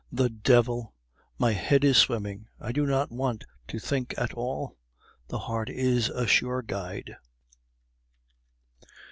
The devil! my head is swimming. I do not want to think at all; the heart is a sure guide."